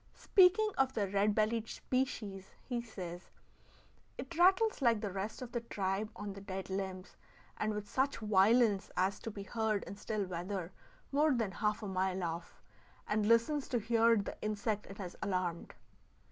Speaking of the red bellied species, he says: "It rattles like the rest of the tribe on the dead limbs, and with such violence as to be heard in still weather more than half a mile off; and listens to hear the insect it has alarmed."